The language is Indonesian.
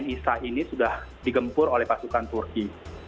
idah sudah digempur oleh pasukan turki